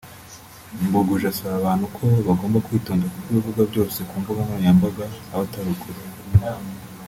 Mbuguje asaba abantu ko bagomba kwitonda kuko ibivugwa byose ku mbuga nkoranyambaga aba atari ukuri